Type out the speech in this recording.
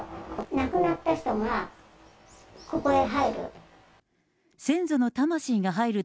亡くなった人がここへ入る。